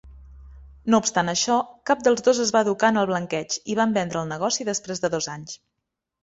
No obstant això, cap dels dos es va educar en el blanqueig, i van vendre el negoci després de dos anys.